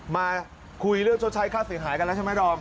มาคุยเรื่องชดใช้ค่าเสียหายกันแล้วใช่ไหมดอม